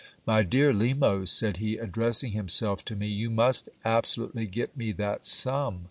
My dear Lemos, said he, addressing himself to me, you must abso lutely get me that sum.